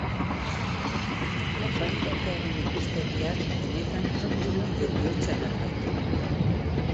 Kausalitatearen ikuspegiak benetan txotxongilo bihurtzen al gaitu?